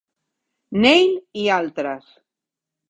Neale i altres.